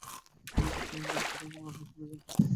আমি কুশলবের গান করি, আপনারা শুনে যান।